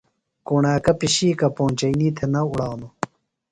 کُݨاکہ پِشیکہ پونچئینی تھےۡ نہ اُڑانوۡ۔